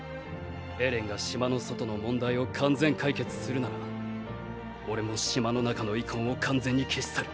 エレンが島の外の問題を完全解決するなら俺も島の中の遺恨を完全に消し去る。